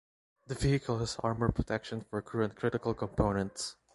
The vehicle has armor protection for crew and critical components.